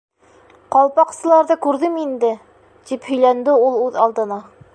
—Ҡалпаҡсыларҙы күрҙем инде, —тип һөйләнде ул үҙ алдына.